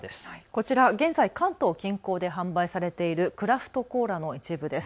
こちら、現在、関東近郊で販売されているクラフトコーラの一部です。